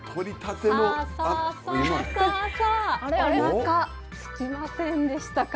おなかすきませんでしたか？